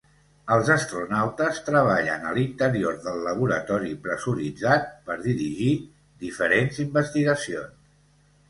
Els astronautes treballen a l'interior del laboratori pressuritzat per dirigir diferents investigacions.